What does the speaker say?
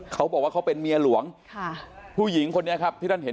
เขาบอกว่าเขาเป็นเมียหลวงค่ะผู้หญิงคนนี้ครับที่ท่านเห็น